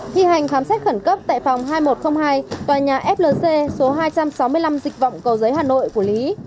thi hành khám xét khẩn cấp tại phòng hai nghìn một trăm linh hai tòa nhà flc số hai trăm sáu mươi năm dịch vọng cầu giới hà nội của lý